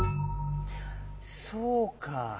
そうか。